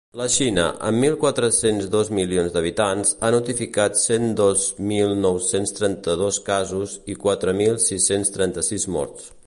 La Xina, amb mil quatre-cents dos milions d’habitants, ha notificat cent dos mil nou-cents trenta-dos casos i quatre mil sis-cents trenta-sis morts.